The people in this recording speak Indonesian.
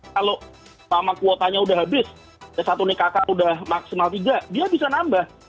kalau sama kuotanya sudah habis satu nikah kakak sudah maksimal tiga dia bisa nambah